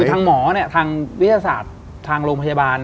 คือทางหมอเนี่ยทางวิทยาศาสตร์ทางโรงพยาบาล